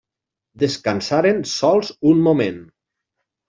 Descansaren sols un moment.